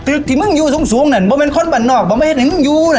ตึกที่มึงอยู่สูงสูงนั่นบ้าเมนคนบันนอกบ้าเมเมเมยนายูน่ะ